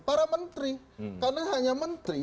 para menteri karena hanya menteri